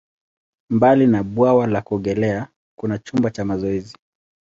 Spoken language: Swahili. Mbali na bwawa la kuogelea, kuna chumba cha mazoezi.